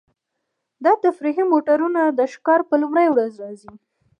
دا تفریحي موټرونه د ښکار په لومړۍ ورځ راځي